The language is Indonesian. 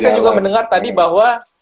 saya juga mendengar tadi bahwa